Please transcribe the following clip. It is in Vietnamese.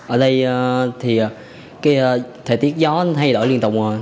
ở đây thì cái thời tiết gió thay đổi liên tục